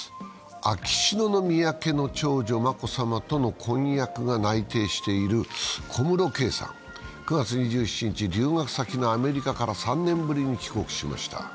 秋篠宮家の長女・眞子さまとの婚約が内定している小室圭さん、９月２７日、留学先のアメリカから３年ぶりに帰国しました。